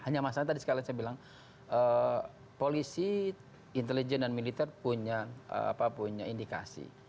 hanya masalah tadi sekalian saya bilang polisi intelijen dan militer punya indikasi